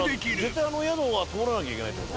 絶対あの宿は通らなきゃいけないって事？